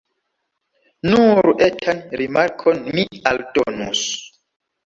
Nur etan rimarkon mi aldonus.